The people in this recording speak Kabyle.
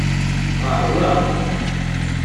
Ɣeṛ wa!